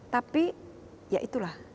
tapi ya itulah